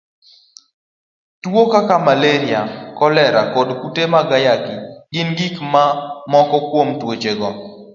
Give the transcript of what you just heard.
Tuwo kaka malaria, kolera, kod kute mag ayaki, gin moko kuom tuochego.